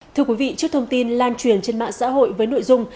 thưa quý vị trước thông tin lan truyền trên mạng xã hội với nội dung